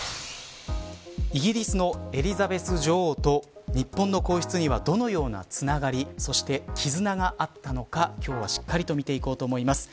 イギリスのエリザベス女王と日本の皇室にはどのようなつながり、そして絆があったのか、今日はしっかり見ていこうと思います。